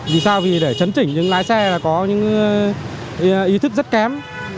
vì sao vì để chấn chỉnh những lái xe là có những ý thức rất kém